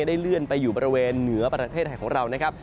ได้เลื่อนไปอยู่บริเวณเหนือประเทศไทยของเรานะครับ